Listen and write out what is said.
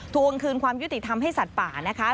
ทวงคืนความยุติธรรมให้สัตว์ป่านะคะ